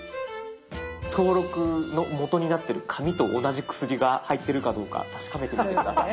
登録のもとになってる紙と同じ薬が入ってるかどうか確かめてみて下さい。